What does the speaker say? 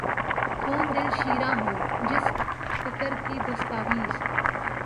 خون دل شیراں ہو، جس فقر کی دستاویز